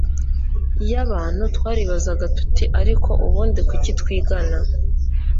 y abantu twaribazaga tuti ariko ubundi kuki twigana